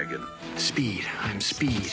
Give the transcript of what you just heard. スピード。